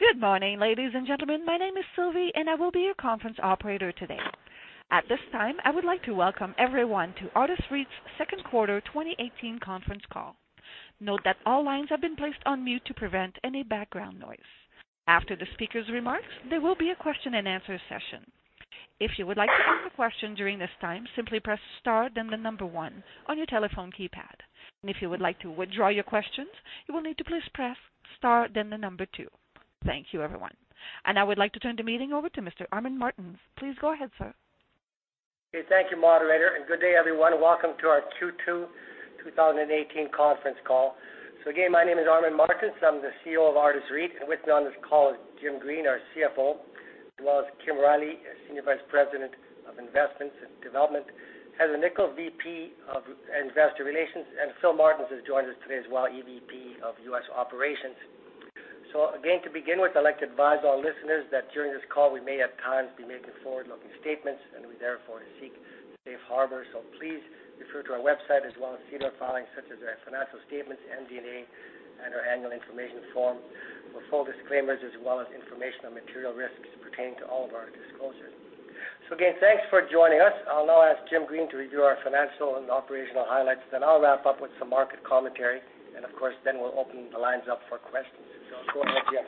Good morning, ladies and gentlemen. My name is Sylvie and I will be your conference operator today. At this time, I would like to welcome everyone to Artis REIT's second quarter 2018 conference call. Note that all lines have been placed on mute to prevent any background noise. After the speaker's remarks, there will be a question and answer session. If you would like to ask a question during this time, simply press star then number 1 on your telephone keypad. If you would like to withdraw your questions, you will need to please press star then number 2. Thank you, everyone. I would like to turn the meeting over to Mr. Armin Martens. Please go ahead, sir. Okay. Thank you, moderator, and good day, everyone. Welcome to our Q2 2018 conference call. Again, my name is Armin Martens. I'm the CEO of Artis REIT, and with me on this call is Jim Green, our CFO, as well as Kim Riley, Senior Vice President of Investments and Development, Heather Nikkel, VP of Investor Relations, and Philip Martens has joined us today as well, EVP of U.S. Operations. Again, to begin with, I'd like to advise all listeners that during this call, we may at times be making forward-looking statements, and we therefore seek safe harbor. Please refer to our website as well as see our filings such as our financial statements, MD&A, and our annual information form for full disclaimers as well as information on material risks pertaining to all of our disclosures. Again, thanks for joining us. I'll now ask Jim Green to review our financial and operational highlights. I'll wrap up with some market commentary, of course, we'll open the lines up for questions. Go ahead, Jim.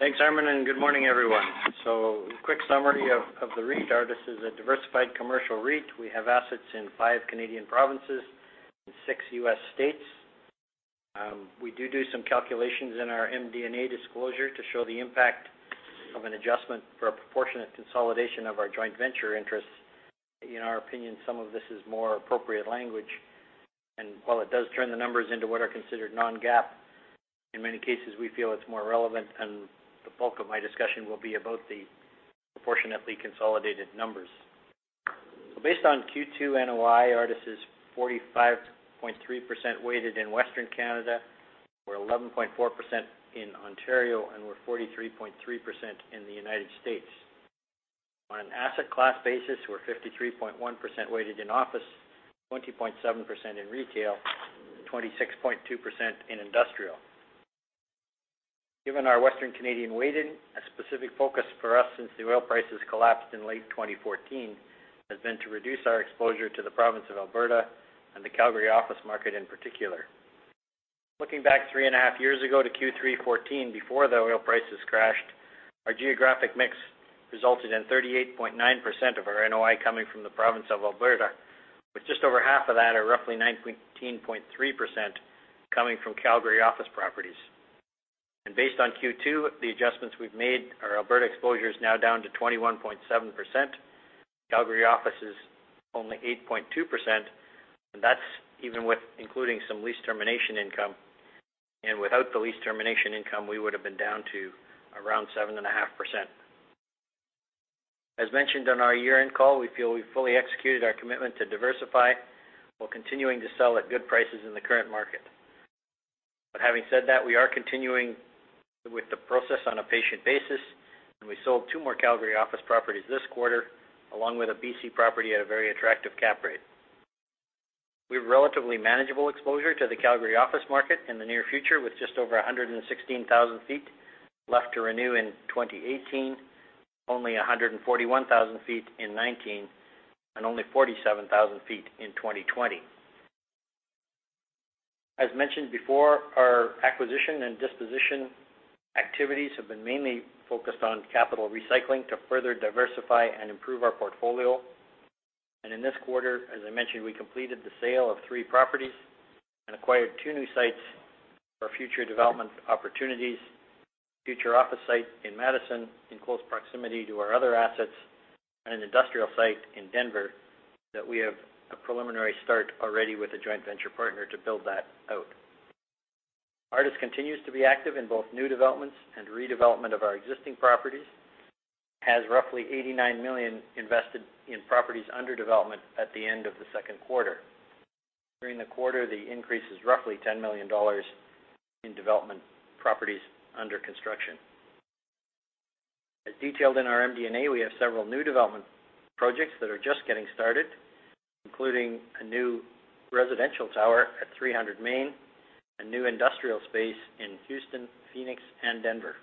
Thanks, Armin, and good morning, everyone. A quick summary of the REIT. Artis is a diversified commercial REIT. We have assets in five Canadian provinces and six U.S. states. We do some calculations in our MD&A disclosure to show the impact of an adjustment for a proportionate consolidation of our joint venture interests. In our opinion, some of this is more appropriate language. While it does turn the numbers into what are considered non-GAAP, in many cases, we feel it's more relevant, and the bulk of my discussion will be about the proportionately consolidated numbers. Based on Q2 NOI, Artis is 45.3% weighted in Western Canada. We're 11.4% in Ontario, and we're 43.3% in the United States. On an asset class basis, we're 53.1% weighted in office, 20.7% in retail, 26.2% in industrial. Given our Western Canadian weighting, a specific focus for us since the oil prices collapsed in late 2014 has been to reduce our exposure to the province of Alberta and the Calgary office market in particular. Looking back three and a half years ago to Q3 2014, before the oil prices crashed, our geographic mix resulted in 38.9% of our NOI coming from the province of Alberta, with just over half of that, or roughly 19.3%, coming from Calgary office properties. Based on Q2, the adjustments we've made, our Alberta exposure is now down to 21.7%. Calgary office is only 8.2%, and that's even with including some lease termination income. Without the lease termination income, we would've been down to around 7.5%. As mentioned on our year-end call, we feel we've fully executed our commitment to diversify while continuing to sell at good prices in the current market. Having said that, we are continuing with the process on a patient basis. We sold two more Calgary office properties this quarter, along with a B.C. property at a very attractive cap rate. We have relatively manageable exposure to the Calgary office market in the near future, with just over 116,000 feet left to renew in 2018, only 141,000 feet in 2019, and only 47,000 feet in 2020. As mentioned before, our acquisition and disposition activities have been mainly focused on capital recycling to further diversify and improve our portfolio. In this quarter, as I mentioned, we completed the sale of three properties and acquired two new sites for future development opportunities, a future office site in Madison in close proximity to our other assets, and an industrial site in Denver that we have a preliminary start already with a joint venture partner to build that out. Artis continues to be active in both new developments and redevelopment of our existing properties, has roughly 89 million invested in properties under development at the end of the second quarter. During the quarter, the increase is roughly 10 million dollars in development properties under construction. As detailed in our MD&A, we have several new development projects that are just getting started, including a new residential tower at 300 Main, a new industrial space in Houston, Phoenix, and Denver.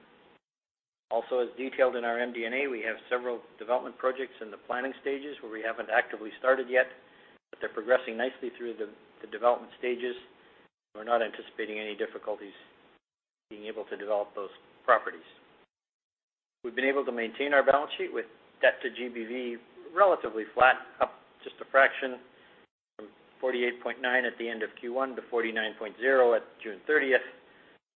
As detailed in our MD&A, we have several development projects in the planning stages where we haven't actively started yet, but they're progressing nicely through the development stages. We're not anticipating any difficulties being able to develop those properties. We've been able to maintain our balance sheet with debt to GBV relatively flat, up just a fraction from 48.9 at the end of Q1 to 49.0 at June 30th,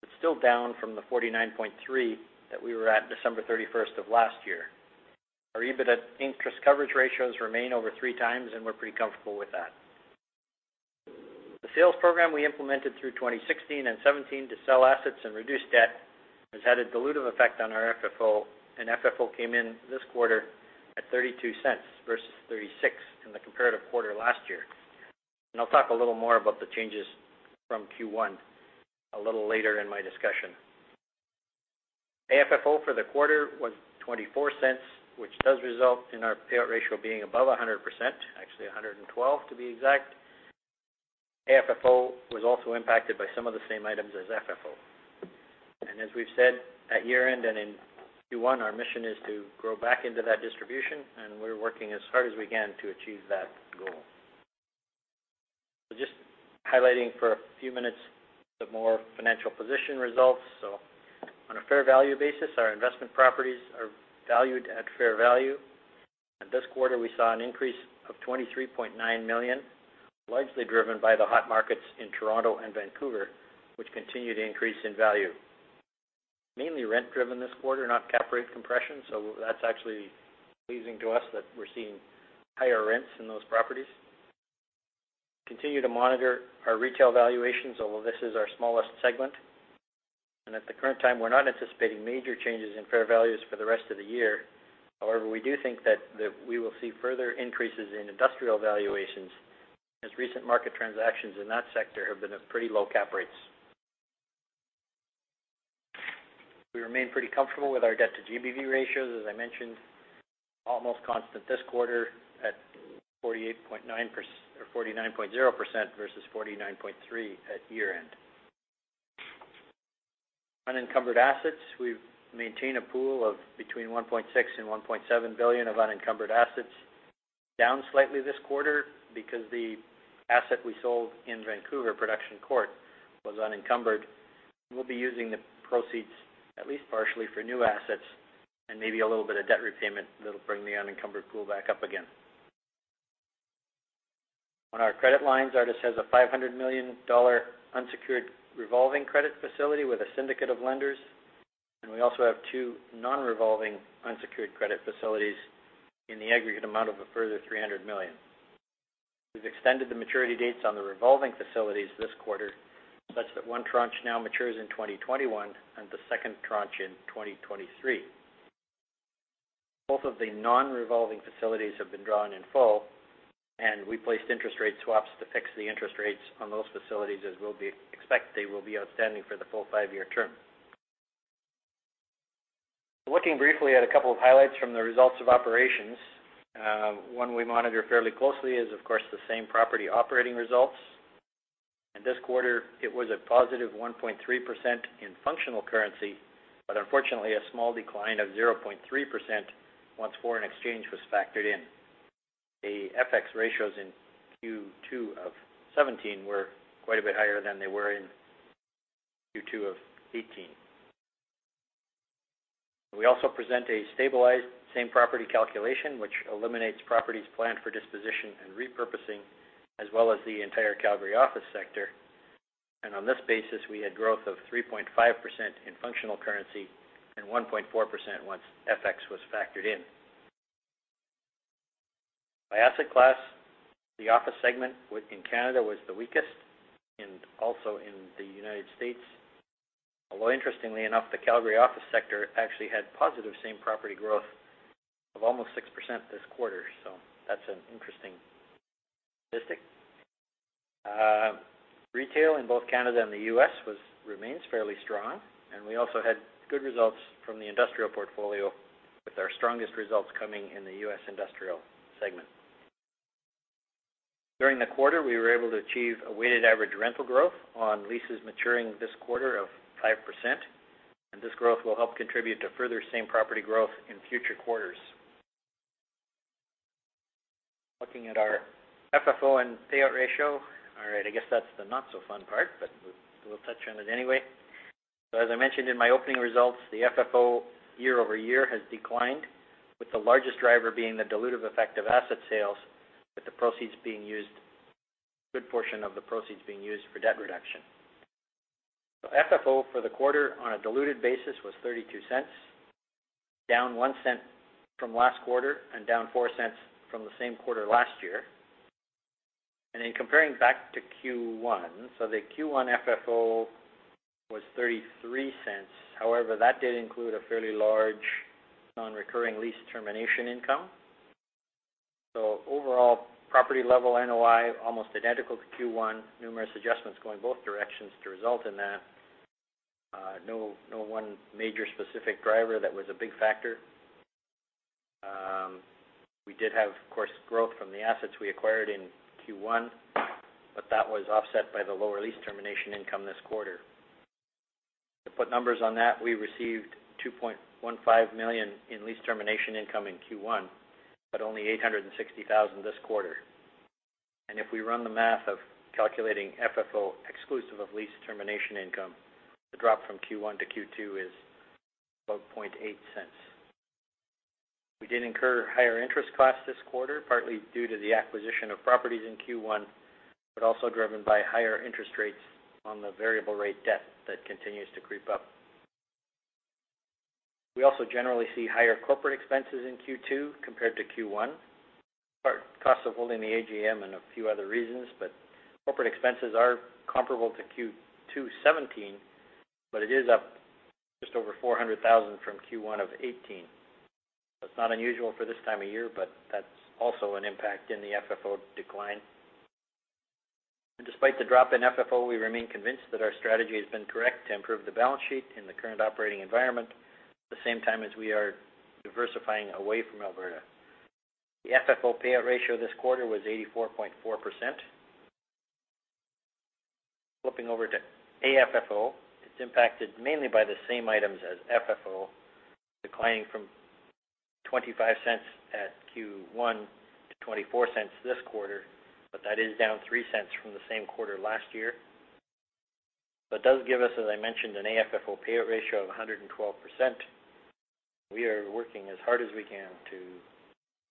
but still down from the 49.3 that we were at December 31st of last year. Our EBITDA interest coverage ratios remain over three times. We're pretty comfortable with that. The sales program we implemented through 2016 and 2017 to sell assets and reduce debt has had a dilutive effect on our FFO. FFO came in this quarter at 0.32 versus 0.36 in the comparative quarter last year. I'll talk a little more about the changes from Q1 a little later in my discussion. AFFO for the quarter was 0.24, which does result in our payout ratio being above 100%, actually 112 to be exact. AFFO was also impacted by some of the same items as FFO. As we've said at year-end and in Q1, our mission is to grow back into that distribution, and we're working as hard as we can to achieve that goal. Just highlighting for a few minutes the more financial position results. On a fair value basis, our investment properties are valued at fair value. This quarter, we saw an increase of 23.9 million, largely driven by the hot markets in Toronto and Vancouver, which continue to increase in value. Mainly rent-driven this quarter, not cap rate compression, that's actually pleasing to us that we're seeing higher rents in those properties. We continue to monitor our retail valuations, although this is our smallest segment. At the current time, we're not anticipating major changes in fair values for the rest of the year. However, we do think that we will see further increases in industrial valuations, as recent market transactions in that sector have been at pretty low cap rates. We remain pretty comfortable with our debt-to-GBV ratios. As I mentioned, almost constant this quarter at 49.0% versus 49.3% at year-end. Unencumbered assets, we've maintained a pool of between 1.6 billion and 1.7 billion of unencumbered assets, down slightly this quarter because the asset we sold in Vancouver, Production Court, was unencumbered. We'll be using the proceeds at least partially for new assets and maybe a little bit of debt repayment that'll bring the unencumbered pool back up again. On our credit lines, Artis has a 500 million dollar unsecured revolving credit facility with a syndicate of lenders. We also have two non-revolving unsecured credit facilities in the aggregate amount of a further 300 million. We've extended the maturity dates on the revolving facilities this quarter, such that one tranche now matures in 2021 and the second tranche in 2023. Both of the non-revolving facilities have been drawn in full, and we placed interest rate swaps to fix the interest rates on those facilities, as we expect they will be outstanding for the full five-year term. Looking briefly at a couple of highlights from the results of operations. One we monitor fairly closely is, of course, the same property operating results. This quarter, it was a positive 1.3% in functional currency, but unfortunately a small decline of 0.3% once foreign exchange was factored in. The FX ratios in Q2 of 2017 were quite a bit higher than they were in Q2 of 2018. We also present a stabilized same property calculation, which eliminates properties planned for disposition and repurposing, as well as the entire Calgary office sector. On this basis, we had growth of 3.5% in functional currency and 1.4% once FX was factored in. By asset class, the office segment in Canada was the weakest and also in the U.S. Although interestingly enough, the Calgary office sector actually had positive same property growth of almost 6% this quarter. That's an interesting statistic. Retail in both Canada and the U.S. remains fairly strong, and we also had good results from the industrial portfolio with our strongest results coming in the U.S. industrial segment. During the quarter, we were able to achieve a weighted average rental growth on leases maturing this quarter of 5%, this growth will help contribute to further same property growth in future quarters. Looking at our FFO and payout ratio. I guess that's the not-so-fun part, but we'll touch on it anyway. As I mentioned in my opening results, the FFO year-over-year has declined, with the largest driver being the dilutive effect of asset sales, with a good portion of the proceeds being used for debt reduction. FFO for the quarter on a diluted basis was 0.32, down 0.01 from last quarter and down 0.04 from the same quarter last year. Comparing back to Q1, the Q1 FFO was 0.33. However, that did include a fairly large non-recurring lease termination income. Overall, property-level NOI, almost identical to Q1, numerous adjustments going both directions to result in that. No one major specific driver that was a big factor. We did have, of course, growth from the assets we acquired in Q1, but that was offset by the lower lease termination income this quarter. To put numbers on that, we received 2.15 million in lease termination income in Q1, but only 860,000 this quarter. If we run the math of calculating FFO exclusive of lease termination income, the drop from Q1 to Q2 is about 0.08. We did incur higher interest costs this quarter, partly due to the acquisition of properties in Q1, but also driven by higher interest rates on the variable rate debt that continues to creep up. We also generally see higher corporate expenses in Q2 compared to Q1. Part costs of holding the AGM and a few other reasons, but corporate expenses are comparable to Q2 2017, but it is up just over 400,000 from Q1 2018. It's not unusual for this time of year, but that's also an impact in the FFO decline. Despite the drop in FFO, we remain convinced that our strategy has been correct to improve the balance sheet in the current operating environment, the same time as we are diversifying away from Alberta. The FFO payout ratio this quarter was 84.4%. Flipping over to AFFO, it's impacted mainly by the same items as FFO, declining from 0.25 at Q1 to 0.24 this quarter, but that is down 0.03 from the same quarter last year. Does give us, as I mentioned, an AFFO payout ratio of 112%. We are working as hard as we can to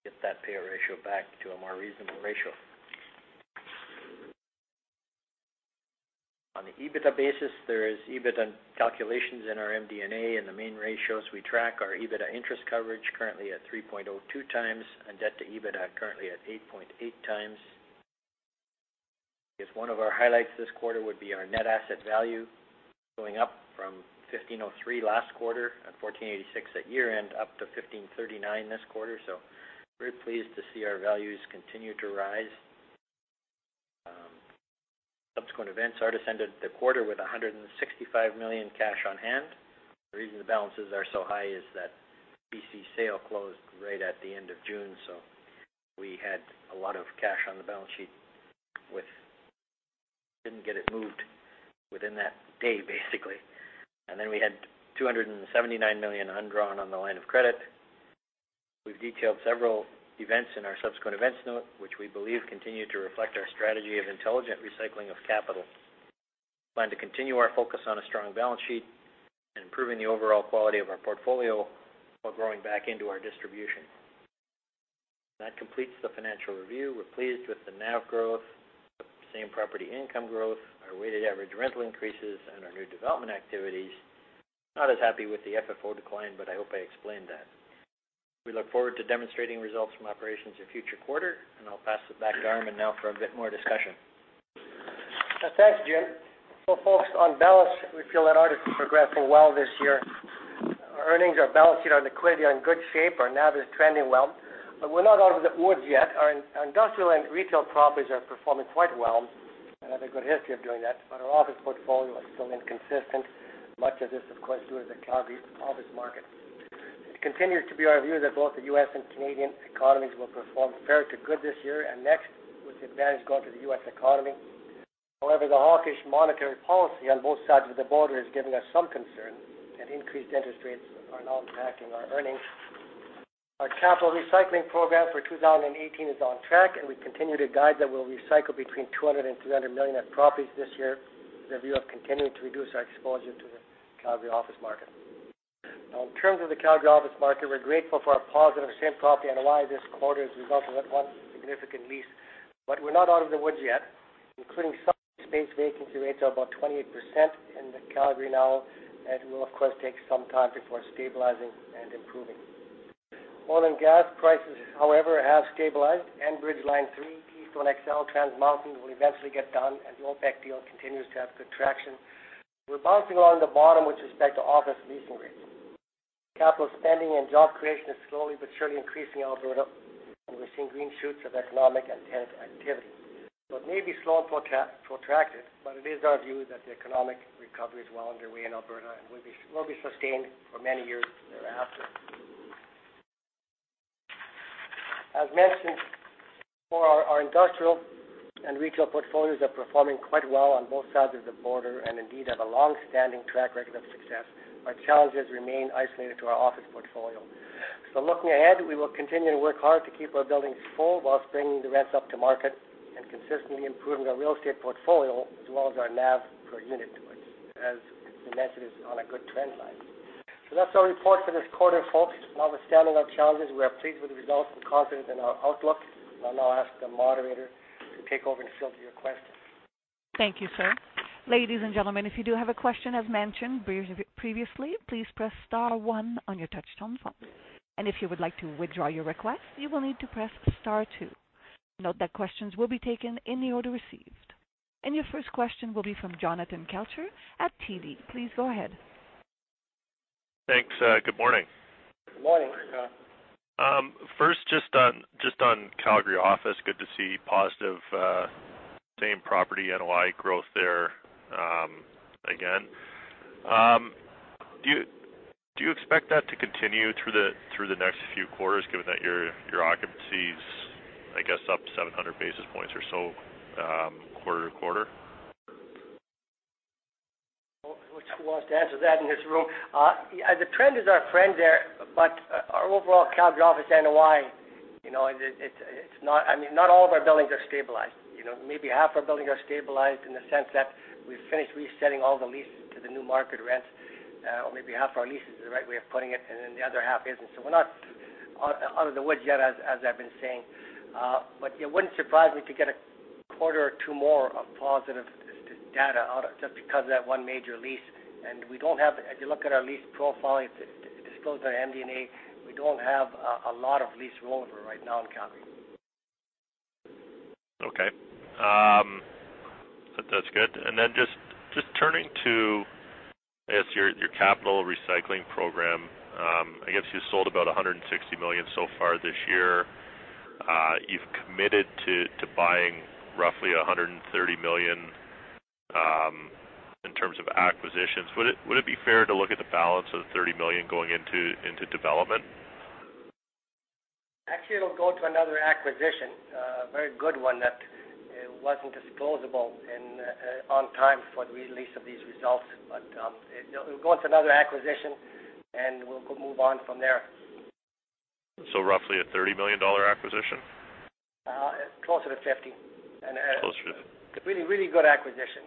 get that payout ratio back to a more reasonable ratio. On the EBITDA basis, there is EBITDA calculations in our MD&A, the main ratios we track are EBITDA interest coverage, currently at 3.02 times, and debt to EBITDA, currently at 8.8 times. I guess one of our highlights this quarter would be our net asset value going up from 1,503 last quarter and 1,486 at year-end, up to 1,539 this quarter. We're pleased to see our values continue to rise. Subsequent events. Artis ended the quarter with 165 million cash on hand. The reason the balances are so high is that B.C. sale closed right at the end of June, so we had a lot of cash on the balance sheet. Didn't get it moved within that day, basically. Then we had 279 million undrawn on the line of credit. We've detailed several events in our subsequent events note, which we believe continue to reflect our strategy of intelligent recycling of capital. We plan to continue our focus on a strong balance sheet and improving the overall quality of our portfolio, while growing back into our distribution. That completes the financial review. We're pleased with the NAV growth, the same-property income growth, our weighted average rental increases, and our new development activities. Not as happy with the FFO decline, but I hope I explained that. We look forward to demonstrating results from operations in future quarter. I'll pass it back to Armin now for a bit more discussion. Thanks, Jim. Folks, on balance, we feel that Artis is progressing well this year. Our earnings, our balance sheet, our liquidity are in good shape. Our NAV is trending well, we're not out of the woods yet. Our industrial and retail properties are performing quite well and have a good history of doing that, our office portfolio is still inconsistent. Much of this, of course, due to the Calgary office market. It continues to be our view that both the U.S. and Canadian economies will perform fair to good this year and next, with the advantage going to the U.S. economy. However, the hawkish monetary policy on both sides of the border is giving us some concern, increased interest rates are now impacting our earnings. Our capital recycling program for 2018 is on track, we continue to guide that we'll recycle between 200 million and 300 million of properties this year with a view of continuing to reduce our exposure to the Calgary office market. In terms of the Calgary office market, we're grateful for our positive same-property NOI this quarter as a result of that one significant lease, we're not out of the woods yet. Including some space, vacancy rates are about 28% in Calgary now, it will of course take some time before stabilizing and improving. Oil and gas prices, however, have stabilized. Enbridge Line 3 and Kinder Morgan's Trans Mountain will eventually get done, the OPEC deal continues to have good traction. We're bouncing along the bottom with respect to office leasing rates. Capital spending and job creation is slowly but surely increasing in Alberta, we're seeing green shoots of economic intent activity. It may be slow and protracted, it is our view that the economic recovery is well underway in Alberta and will be sustained for many years thereafter. As mentioned before, our industrial and retail portfolios are performing quite well on both sides of the border and indeed have a long-standing track record of success. Our challenges remain isolated to our office portfolio. Looking ahead, we will continue to work hard to keep our buildings full whilst bringing the rents up to market and consistently improving our real estate portfolio as well as our NAV per unit, which as we mentioned, is on a good trend line. That's our report for this quarter, folks. Notwithstanding our challenges, we are pleased with the results and confident in our outlook. I'll now ask the moderator to take over and field your questions. Thank you, sir. Ladies and gentlemen, if you do have a question, as mentioned previously, please press star one on your touch-tone phone. If you would like to withdraw your request, you will need to press star two. Note that questions will be taken in the order received. Your first question will be from Jonathan Kelcher at TD. Please go ahead. Thanks. Good morning. Good morning, John. just on Calgary office, good to see positive same-property NOI growth there again. Right. Do you expect that to continue through the next few quarters, given that your occupancy is, I guess, up 700 basis points or so quarter-to-quarter? Who wants to answer that in this room? The trend is our friend there, our overall Calgary office NOI, not all of our buildings are stabilized. Maybe half our buildings are stabilized in the sense that we've finished resetting all the leases to the new market rents. Maybe half our leases is the right way of putting it, and then the other half isn't. We're not out of the woods yet, as I've been saying. It wouldn't surprise me to get a quarter or two more of positive data out just because of that one major lease. If you look at our lease profile, it's disclosed on our MD&A, we don't have a lot of lease rollover right now in Calgary. That's good. Just turning to, I guess, your capital recycling program. I guess you sold about 160 million so far this year. You've committed to buying roughly 130 million In terms of acquisitions, would it be fair to look at the balance of the 30 million going into development? Actually, it'll go to another acquisition, a very good one that wasn't disposable on time for the release of these results. It'll go into another acquisition, and we'll move on from there. Roughly a 30 million dollar acquisition? Closer to 50. Closer. It's a really, really good acquisition.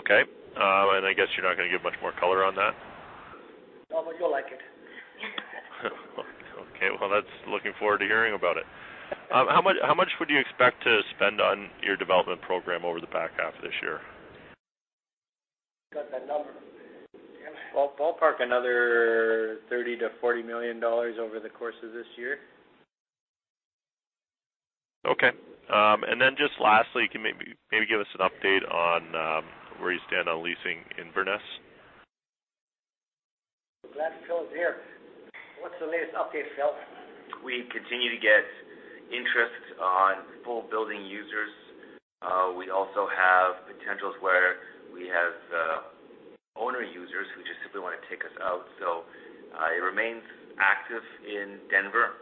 Okay. I guess you're not going to give much more color on that. No, you'll like it. Okay, well, looking forward to hearing about it. How much would you expect to spend on your development program over the back half of this year? You got that number? Ballpark another 30 million-40 million dollars over the course of this year. Okay. Just lastly, can you maybe give us an update on where you stand on leasing Inverness? I'm glad Phil's here. What's the latest update, Phil? We continue to get interest on full building users. We also have potentials where we have owner users who just simply want to take us out. It remains active in Denver.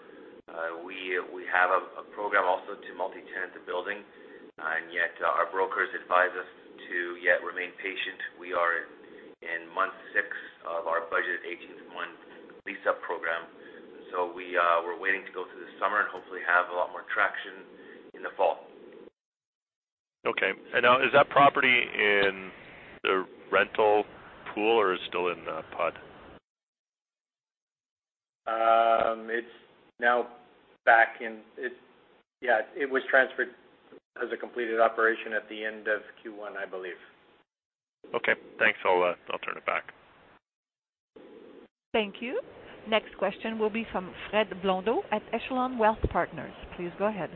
We have a program also to multi-tenant the building, our brokers advise us to yet remain patient. We are in month six of our budget 18-month lease-up program. We're waiting to go through the summer and hopefully have a lot more traction in the fall. Okay. Now, is that property in the rental pool or is it still in the PUD? It was transferred as a completed operation at the end of Q1, I believe. Okay, thanks. I'll turn it back. Thank you. Next question will be from Frederic Blondeau at Echelon Wealth Partners. Please go ahead.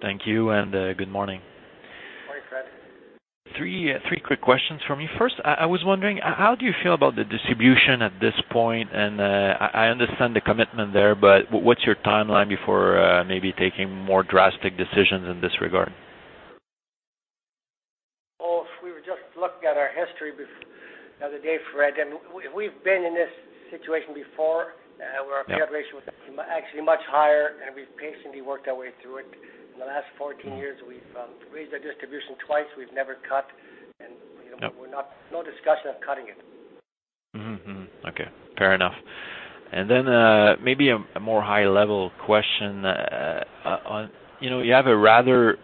Thank you, good morning. Morning, Fred. Three quick questions for me. First, I was wondering, how do you feel about the distribution at this point? I understand the commitment there, what's your timeline before maybe taking more drastic decisions in this regard? Well, we were just looking at our history the other day, Fred, we've been in this situation before where. Yep payout ratio was actually much higher. We've patiently worked our way through it. In the last 14 years, we've raised our distribution twice. We've never cut. Yep No discussion of cutting it. Mm-hmm. Okay, fair enough. Then maybe a more high-level question. You have a rather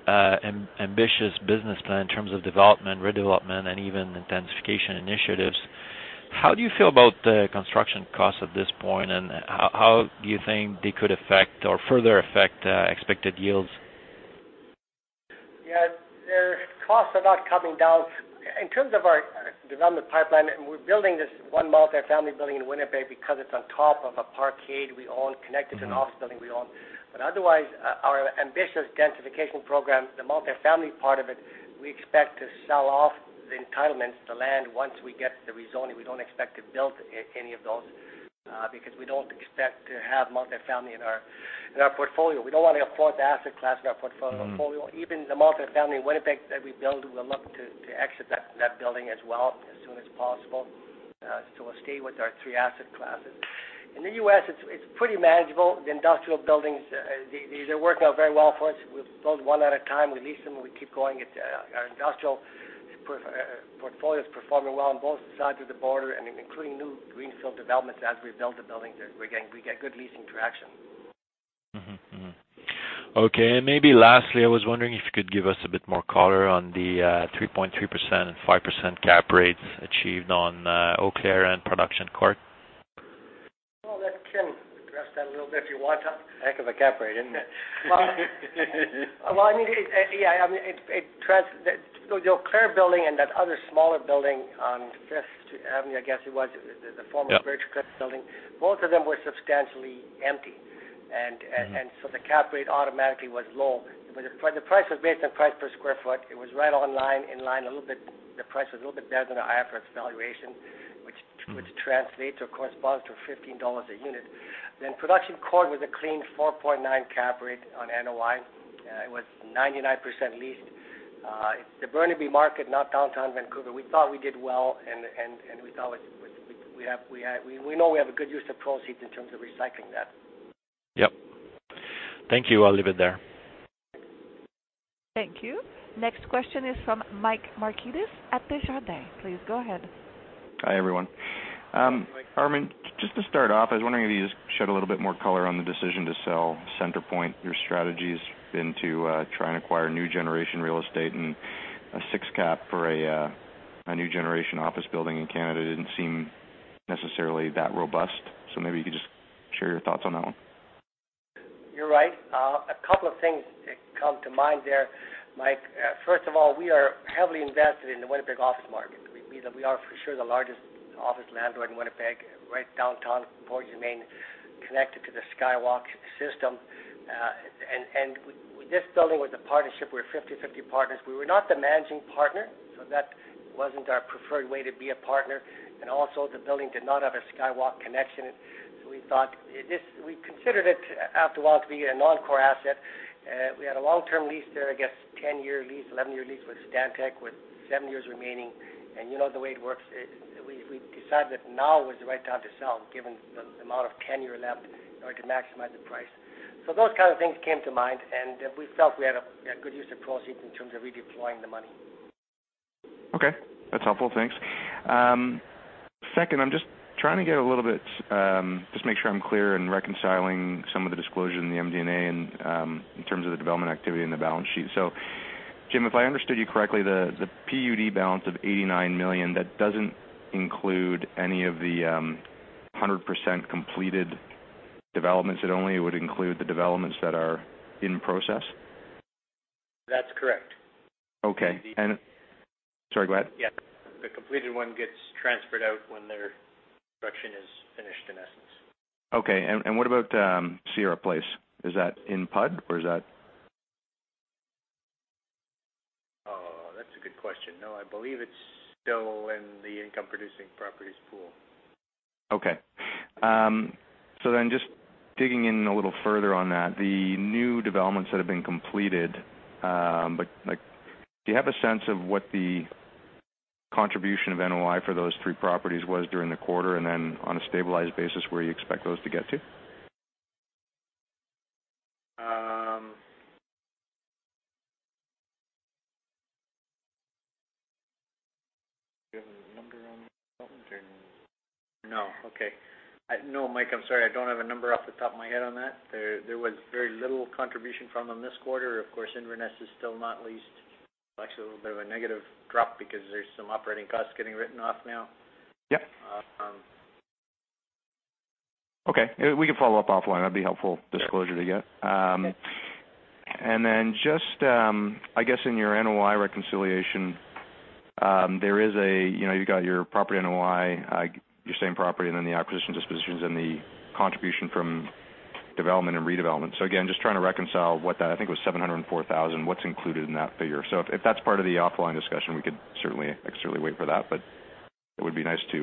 ambitious business plan in terms of development, redevelopment, and even intensification initiatives. How do you feel about the construction costs at this point, and how do you think they could affect or further affect expected yields? Yeah. Costs are not coming down. In terms of our development pipeline, we're building this one multifamily building in Winnipeg because it's on top of a parkade we own, connected to an office building we own. Otherwise, our ambitious densification program, the multifamily part of it, we expect to sell off the entitlements, the land, once we get the rezoning. We don't expect to build any of those because we don't expect to have multifamily in our portfolio. We don't want a fourth asset class in our portfolio. Even the multifamily in Winnipeg that we build, we'll look to exit that building as well as soon as possible. We'll stay with our three asset classes. In the U.S., it's pretty manageable. The industrial buildings, these are working out very well for us. We build one at a time, we lease them, and we keep going. Our industrial portfolio is performing well on both sides of the border, including new greenfield developments as we build the buildings there. We get good leasing traction. Mm-hmm. Okay. Maybe lastly, I was wondering if you could give us a bit more color on the 3.3% and 5% cap rates achieved on Eau Claire and Production Court. Well, let Kim address that a little bit if you want. Heck of a cap rate, isn't it? Well, I mean, yeah. The Eau Claire building and that other smaller building on Fifth Avenue, I guess it was. Yep Birchcliff Building. Both of them were substantially empty, the cap rate automatically was low. The price was based on price per square foot. It was right in line, a little bit better than our IFRS valuation. Which translates or corresponds to 15 dollars a unit. Production Court was a clean 4.9% cap rate on NOI. It was 99% leased. It's the Burnaby market, not downtown Vancouver. We thought we did well, and we know we have a good use of proceeds in terms of recycling that. Yep. Thank you. I'll leave it there. Thank you. Next question is from Michael Markidis at Desjardins. Please go ahead. Hi, everyone. Hi, Mike. Armin, just to start off, I was wondering if you could just shed a little bit more color on the decision to sell Centrepointe. Your strategy has been to try and acquire new generation real estate, a 6 cap for a new generation office building in Canada didn't seem necessarily that robust. Maybe you could just share your thoughts on that one. You're right. A couple of things that come to mind there, Mike. First of all, we are heavily invested in the Winnipeg office market. We are, for sure, the largest office landlord in Winnipeg, right downtown, Portage and Main, connected to the SkyWalk system. This building was a partnership. We're 50-50 partners. We were not the managing partner, so that wasn't our preferred way to be a partner. Also, the building did not have a SkyWalk connection. We thought we considered it, after a while, to be a non-core asset. We had a long-term lease there, I guess 10-year lease, 11-year lease with Stantec, with seven years remaining. You know the way it works, we decided that now was the right time to sell, given the amount of tenure left in order to maximize the price. Those kind of things came to mind, and we felt we had a good use of proceeds in terms of redeploying the money. Okay. That's helpful. Thanks. Second, I'm just trying to get a little bit, just make sure I'm clear in reconciling some of the disclosure in the MD&A in terms of the development activity in the balance sheet. Jim, if I understood you correctly, the PUD balance of 89 million, that doesn't include any of the 100% completed developments. It only would include the developments that are in process? That's correct. Okay. Sorry, go ahead. Yeah. The completed one gets transferred out when their construction is finished, in essence. Okay. What about Sierra Place? Is that in PUD or is that? Oh, that's a good question. No, I believe it's still in the income-producing properties pool. Okay. Just digging in a little further on that, the new developments that have been completed, do you have a sense of what the contribution of NOI for those three properties was during the quarter? On a stabilized basis, where you expect those to get to? Do you have a number on that, Phil, do you know? No. Okay. No, Mike, I'm sorry, I don't have a number off the top of my head on that. There was very little contribution from them this quarter. Of course, Inverness is still not leased. Well, actually, a little bit of a negative drop because there's some operating costs getting written off now. Yep. Okay. We can follow up offline. That'd be helpful disclosure to get. Yeah. Just, I guess in your NOI reconciliation, you got your property NOI, your same property, and then the acquisition dispositions and the contribution from development and redevelopment. Again, just trying to reconcile what that I think it was 704,000. What's included in that figure? If that's part of the offline discussion, we could certainly wait for that, but it would be nice to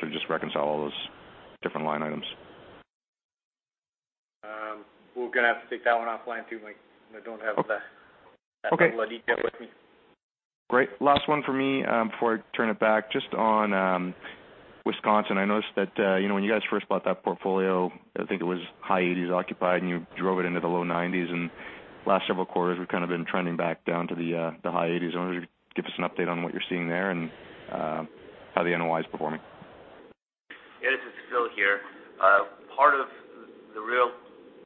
sort of just reconcile all those different line items. We're going to have to take that one offline too, Mike. I don't have that. Okay. Level of detail with me. Great. Last one for me before I turn it back. Just on Wisconsin, I noticed that when you guys first bought that portfolio, I think it was high 80s% occupied, and you drove it into the low 90s%, and last several quarters, we've kind of been trending back down to the high 80s%. I wonder if you could give us an update on what you're seeing there and how the NOI is performing. Yes, this is Phil here.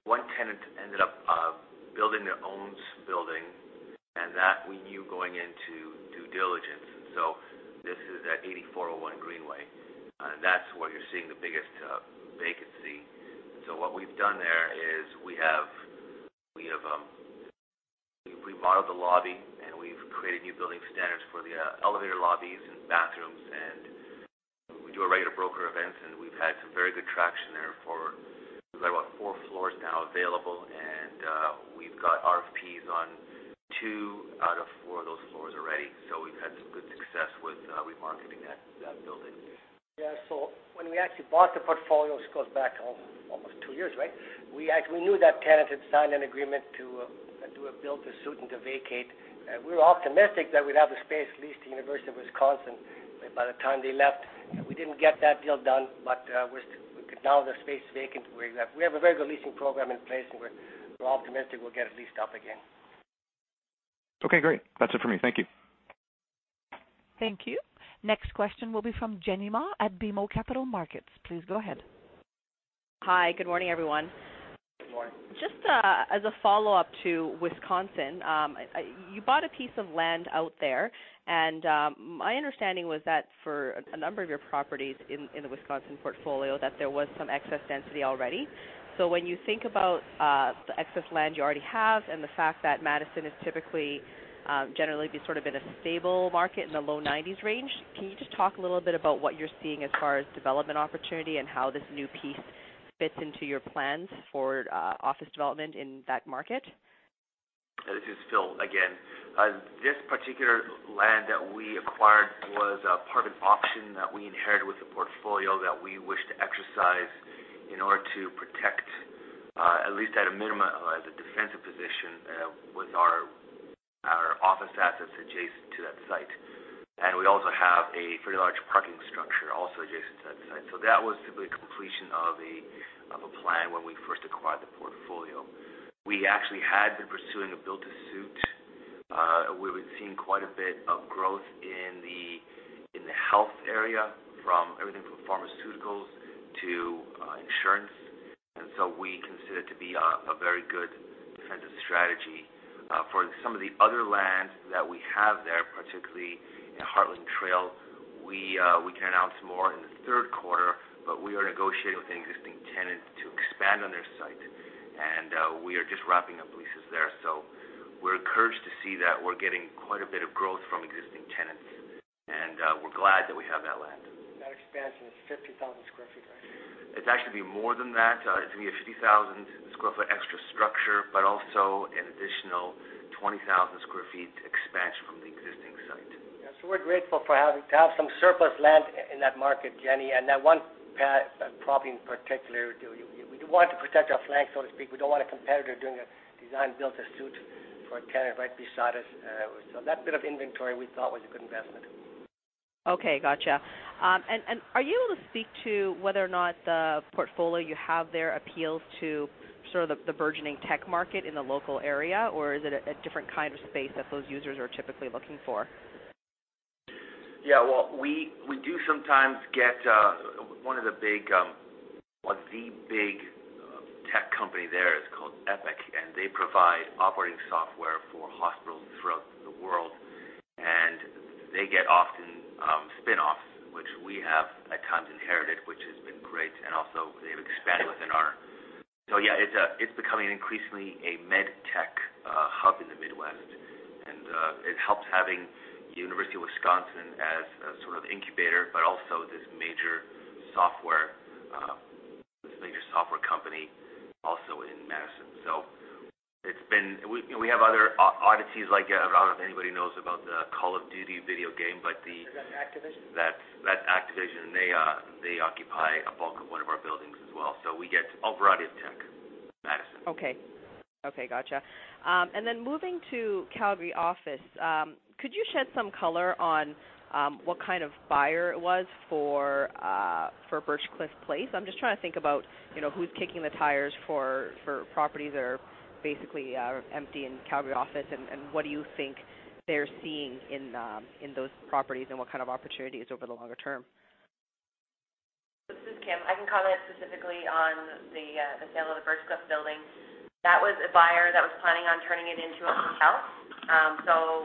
One tenant ended up building their own building, and that we knew going into due diligence. This is at 8401 Greenway. That's where you're seeing the biggest vacancy. What we've done there is we've remodeled the lobby, and we've created new building standards for the elevator lobbies and bathrooms, and we do a regular broker event, and we've had some very good traction there. We've got about four floors now available, and we've got RFPs on two out of four of those floors already. We've had some good success with remarketing that building. Yeah. When we actually bought the portfolio, this goes back almost two years, right? We knew that tenant had signed an agreement to do a build to suit and to vacate. We were optimistic that we'd have the space leased to University of Wisconsin by the time they left. We didn't get that deal done, but now the space is vacant. We have a very good leasing program in place, and we're optimistic we'll get it leased up again. Okay, great. That's it for me. Thank you. Thank you. Next question will be from Jenny Ma at BMO Capital Markets. Please go ahead. Hi. Good morning, everyone. Good morning. Just as a follow-up to Wisconsin. You bought a piece of land out there, and my understanding was that for a number of your properties in the Wisconsin portfolio, that there was some excess density already. When you think about the excess land you already have and the fact that Madison is typically, generally been sort of in a stable market in the low 90s range, can you just talk a little bit about what you're seeing as far as development opportunity and how this new piece fits into your plans for office development in that market? This is Phil again. This particular land that we acquired was a part of an option that we inherited with the portfolio that we wished to exercise in order to protect, at least at a minimum, the defensive position with our office assets adjacent to that site. We also have a fairly large parking structure also adjacent to that site. That was simply completion of a plan when we first acquired the portfolio. We actually had been pursuing a build to suit. We were seeing quite a bit of growth in the health area, from everything from pharmaceuticals to insurance. We consider it to be a very good defensive strategy. For some of the other land that we have there, particularly in Heartland Trail, we can announce more in the third quarter, we are negotiating with an existing tenant to expand on their site, and we are just wrapping up leases there. We're encouraged to see that we're getting quite a bit of growth from existing tenants, and we're glad that we have that land. That expansion is 50,000 square feet, right? It's actually going to be more than that. It's going to be a 50,000-square-foot extra structure, but also an additional 20,000 square feet. We're grateful to have some surplus land in that market, Jenny, and that one property in particular. We do want to protect our flank, so to speak. We don't want a competitor doing a design-built suit for a tenant right beside us. That bit of inventory, we thought, was a good investment. Okay, got you. Are you able to speak to whether or not the portfolio you have there appeals to sort of the burgeoning tech market in the local area, or is it a different kind of space that those users are typically looking for? Well, we do sometimes get one of the big, well, the big tech company there is called Epic, and they provide operating software for hospitals throughout the world. They get often spinoffs, which we have at times inherited, which has been great. Yeah, it's becoming increasingly a med tech hub in the Midwest. It helps having University of Wisconsin as a sort of incubator, but also this major software company also in Madison. We have other oddities, like, I don't know if anybody knows about the Call of Duty video game, but the. Is that Activision? That's Activision. They occupy a bulk of one of our buildings as well. We get a variety of tech in Madison. Okay. Got you. Moving to Calgary Office, could you shed some color on what kind of buyer it was for Birchcliff Building? I'm just trying to think about who's kicking the tires for properties that are basically empty in Calgary Office and what do you think they're seeing in those properties and what kind of opportunities over the longer term. This is Kim. I can comment specifically on the sale of the Birchcliff Building. That was a buyer that was planning on turning it into a hotel.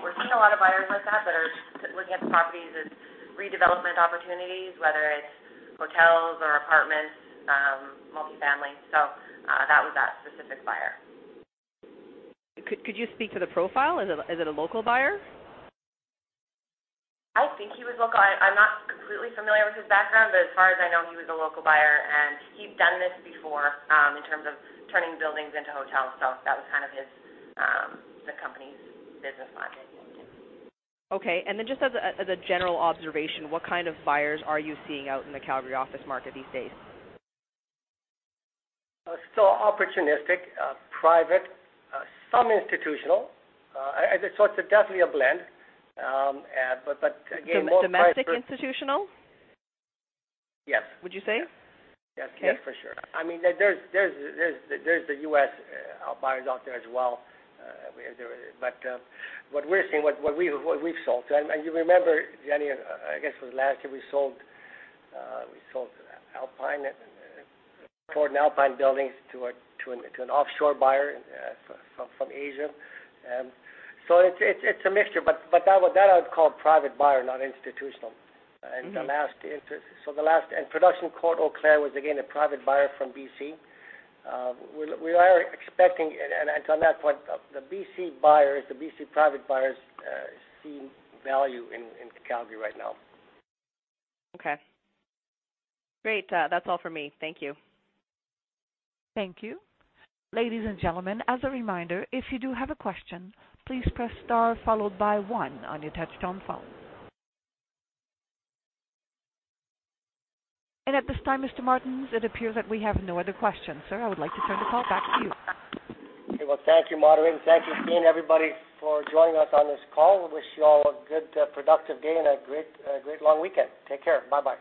We're seeing a lot of buyers like that are looking at the properties as redevelopment opportunities, whether it's hotels or apartments, multi-family. That was that specific buyer. Could you speak to the profile? Is it a local buyer? I think he was local. I'm not completely familiar with his background, but as far as I know, he was a local buyer. He'd done this before, in terms of turning buildings into hotels. That was kind of the company's business logic into it. Okay. Just as a general observation, what kind of buyers are you seeing out in the Calgary office market these days? Opportunistic, private, some institutional. It's definitely a blend again. Domestic institutional? Yes. Would you say? Yes, for sure. There's the U.S. buyers out there as well. What we're seeing, what we've sold, and you remember, Jenny, I guess it was last year, we sold Alpine buildings to an offshore buyer from Asia. It's a mixture, but that I would call private buyer, not institutional. Production Court, Eau Claire was, again, a private buyer from BC. We are expecting, on that point, the BC buyers, the BC private buyers see value in Calgary right now. Okay. Great. That's all for me. Thank you. Thank you. Ladies and gentlemen, as a reminder, if you do have a question, please press star followed by one on your touch-tone phone. At this time, Mr. Martens, it appears that we have no other questions. Sir, I would like to turn the call back to you. Okay. Well, thank you, moderator, thank you, team, everybody, for joining us on this call. We wish you all a good, productive day and a great long weekend. Take care. Bye-bye.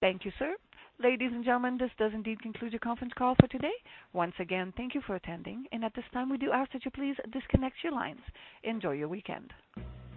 Thank you, sir. Ladies and gentlemen, this does indeed conclude your conference call for today. Once again, thank you for attending, and at this time, we do ask that you please disconnect your lines. Enjoy your weekend.